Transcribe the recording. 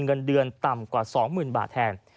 เงินเดือนต่ำกว่า๒๐๐๐บาทแทน